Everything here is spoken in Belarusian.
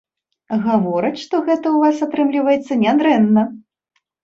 Гавораць, што гэта ў вас атрымліваецца нядрэнна.